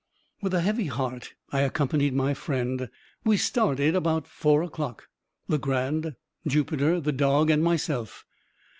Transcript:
With a heavy heart I accompanied my friend. We started about four o'clock Legrand, Jupiter, the dog, and myself.